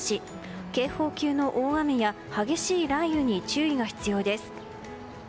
警報級の大雨や激しい雷雨に注意が必要です。